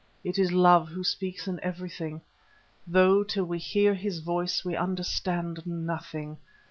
It is Love who speaks in everything, though till we hear his voice we understand nothing.